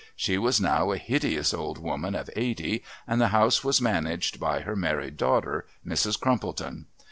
She was now a hideous old woman of eighty, and the house was managed by her married daughter, Mrs. Crumpleton.